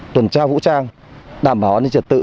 tuần tra vũ trang đảm bảo an ninh trật tự